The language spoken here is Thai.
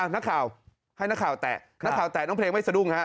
ให้หน้าข่าวแตะหน้าข่าวแตะน้องเพลงไม่สะดุ้ง